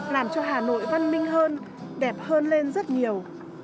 làm cho hà nội văn minh hơn đẹp hơn lên rất nhiều